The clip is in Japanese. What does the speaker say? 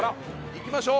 行きましょう！